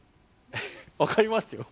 分かりますよ。